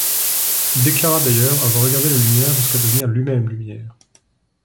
Il déclara d’ailleurs avoir regardé la lumière jusqu’à devenir lui-même lumière.